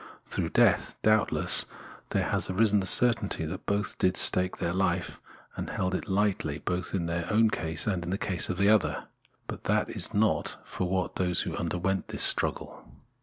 Through death, doubtless, there has arisen Independence of Self Consciousness 181 the certainty that both did stake their hfe, and held it hghtly both in their own case and in the case of the other ; but that is not for those who underwent this struggle.